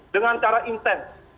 dengan cara intens